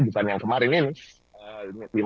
bukan yang kemarin ini